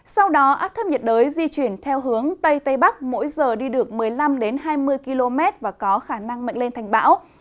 sau đó áp thấp nhiệt đới di chuyển theo hướng tây tây bắc mỗi giờ đi được một mươi năm hai mươi km và có khả năng mạnh lên thành bão